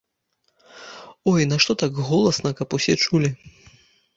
Ой, нашто так голасна, каб усе чулі.